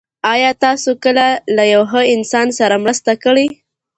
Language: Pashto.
آیا تاسو کله له یو ښه انسان سره مرسته کړې؟